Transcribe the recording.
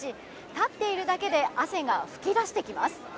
立っているだけで汗が噴き出してきます。